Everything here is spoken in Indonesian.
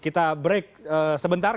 kita break sebentar